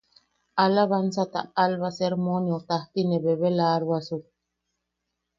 Alabaanzata Alba sermoneu tajti ne bebelaaroasuk.